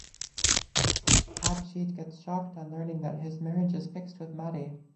Abhijeet gets shocked on learning that his marriage is fixed with Maddy.